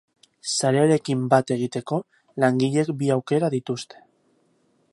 Sarearekin bat egiteko, langileek bi aukera dituzte.